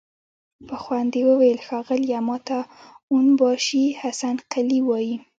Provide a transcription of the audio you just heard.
په خوند يې وويل: ښاغليه! ماته اون باشي حسن قلي وايه!